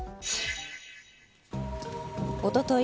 おととい